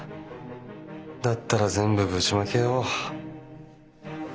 だったら全部ぶちまけよう。